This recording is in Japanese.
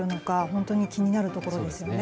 本当に気になるところですね。